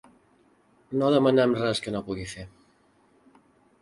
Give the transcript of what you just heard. No demanem res que no pugui fer.